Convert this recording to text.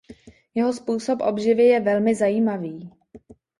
Jeho způsob obživy je velmi zajímavý.